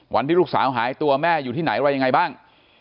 วันที่ลูกสาวหายตัวแม่อยู่ที่ไหนอะไรยังไงบ้าง